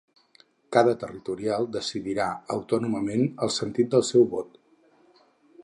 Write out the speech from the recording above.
Cada territorial decidirà autònomament el sentit del seu vot.